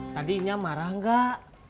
tadi nya marah gak